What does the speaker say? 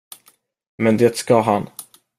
Men det ska han.